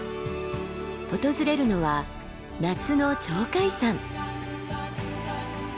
訪れるのは夏の鳥海山。